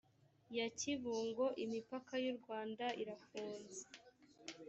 ya kibungo imipaka y urwanda irafunze